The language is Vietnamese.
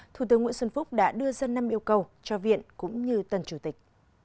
thủ tướng nguyễn xuân phúc đã đưa ra năm yêu cầu cho viện cũng như tân chủ tịch